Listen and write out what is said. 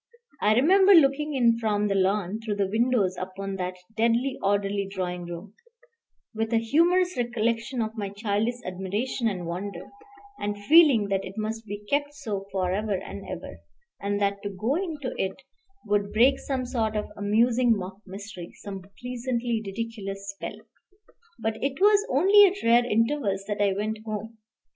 I remember looking in from the lawn through the windows upon that deadly orderly drawing room, with a humorous recollection of my childish admiration and wonder, and feeling that it must be kept so forever and ever, and that to go into it would break some sort of amusing mock mystery, some pleasantly ridiculous spell. But it was only at rare intervals that I went home.